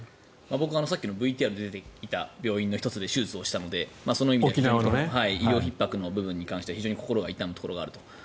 僕さっきＶＴＲに出てきた病院の１つで手術をしたので沖縄の医療ひっ迫の部分に関しては非常に心が痛むところがあると。